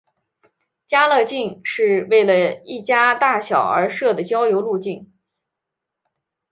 家乐径是为了一家大小而设的郊游路径。